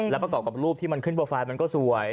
และประกอบกับรูปที่มันขึ้นโปรไฟล์มันก็สวย